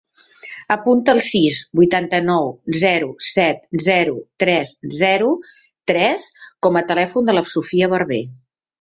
Apunta el sis, vuitanta-nou, zero, set, zero, tres, zero, tres com a telèfon de la Sophia Barber.